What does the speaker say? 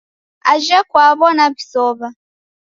Ajhe kwaw'o naw'isow'a